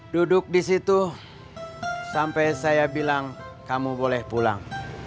duduk di situ sampai saya bilang kamu boleh pulang